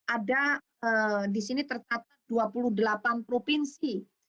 ada di sini tercatat dua puluh delapan provinsi